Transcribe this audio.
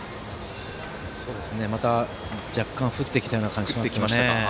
また、若干降ってきたような感じがしますね。